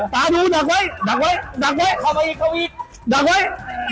จะเข้าไปสิ